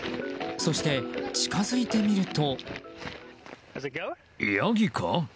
そして、近づいてみると。